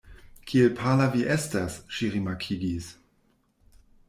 Kiel pala vi estas, ŝi rimarkigis.